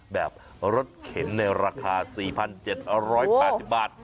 แบบรถเข็นในราคา๔๗๘๐บาท